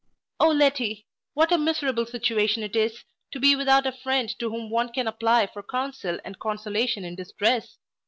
O Letty! what a miserable situation it is, to be without a friend to whom one can apply for counsel and consolation in distress!